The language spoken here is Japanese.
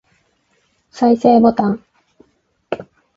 再生ボタン